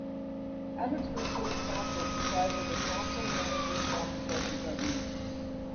Abbotsford City Council comprises a council-manager form of local government.